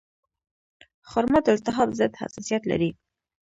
خرما د التهاب ضد خاصیت لري.